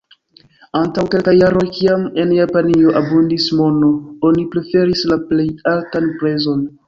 Antaŭ kelkaj jaroj, kiam en Japanio abundis mono, oni preferis la plej altan prezon.